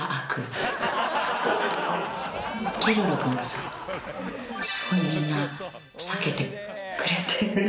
すごいみんな避けてくれて。